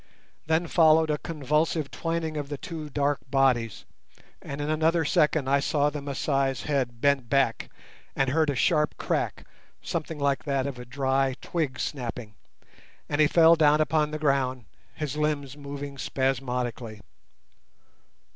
Then followed a convulsive twining of the two dark bodies, and in another second I saw the Masai's head bent back, and heard a sharp crack, something like that of a dry twig snapping, and he fell down upon the ground, his limbs moving spasmodically.